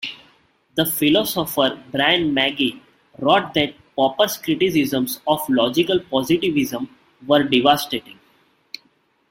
The philosopher Bryan Magee wrote that Popper's criticisms of logical positivism were "devastating".